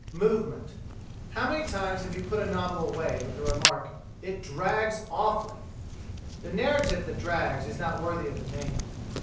Movement How many times have you put a novel away with the remark: "It drags awfully!" The narrative that drags is not worthy of the name.